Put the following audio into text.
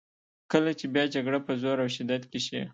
کله چې بیا جګړه په زور او شدت کې شي.